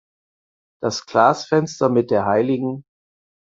Das Glasfenster mit der hl.